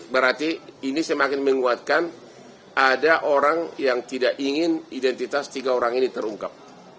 berarti ini semakin menguatkan ada orang yang tidak ingin identitas tiga orang ini terungkap